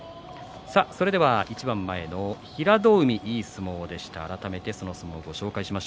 一番前の平戸海、いい相撲でした。